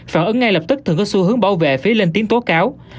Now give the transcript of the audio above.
phản ứng ngay lập tức thường có xu hướng bảo vệ phí lên tiếng tố cáo